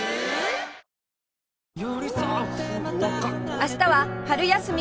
明日は春休み！